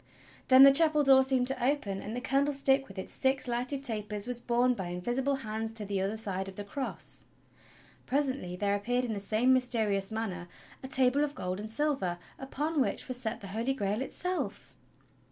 Then the chapel door seemed to open, and the candlestick with its six lighted tapers was borne by invisible hands to the other side of the cross. Presently there appeared in the same mysterious manner a table of gold and silver upon which was set the Holy Grail itself!